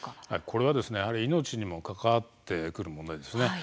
これは、やはり命にも関わってくる問題です。